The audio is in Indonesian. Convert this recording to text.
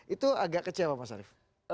itu agak kecewa pak sarif